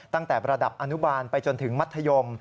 ตั้งแต่ระดับอนุบาลไปจนถึงมัธยม